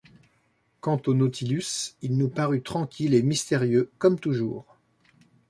Quant au Nautilus, il nous parut tranquille et mystérieux comme toujours.